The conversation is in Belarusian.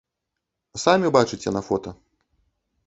Самі бачыце на фота.